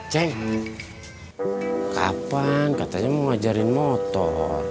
cek kapan katanya mau ngajarin motor